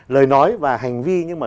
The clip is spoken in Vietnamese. lời nói và hành vi nhưng mà